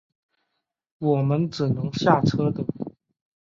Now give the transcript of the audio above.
我们只能下车等